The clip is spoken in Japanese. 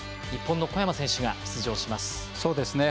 日本の小山選手が出場します。